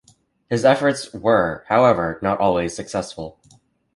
His earlier efforts were, however, not always successful.